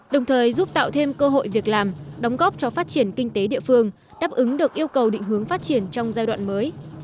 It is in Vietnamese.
đồng thời giúp tạo thêm cơ hội việc làm đóng góp cho phát triển kinh tế địa phương đáp ứng được yêu cầu định hướng phát triển trong giai đoạn mới